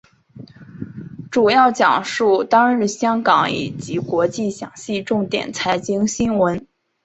主要讲述当日香港以及国际详细重点财经新闻。